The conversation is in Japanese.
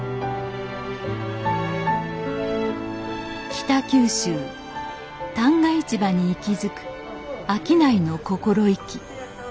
北九州旦過市場に息づく商いの心意気。